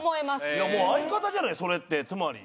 いやもう相方じゃないそれってつまり。